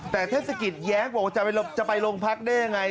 แต่เทศกิจแย้งบอกว่าจะไปโรงพักได้ยังไง